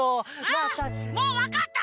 あもうわかった！